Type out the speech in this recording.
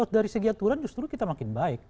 dari segi aturan justru kita makin baik